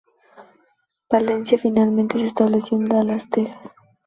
Palencia finalmente se estableció en Dallas, Texas.